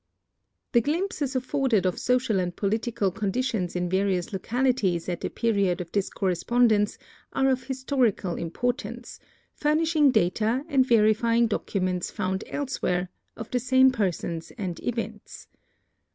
The glimpses afforded of social and political conditions in various localities at the period of this correspondence are of historical importance, furnishing data and verifying documents found elsewhere, of the same persons and events.